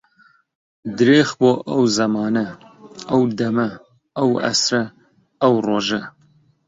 درێخ بۆ ئەو زەمانە، ئەو دەمە، ئەو عەسرە، ئەو ڕۆژە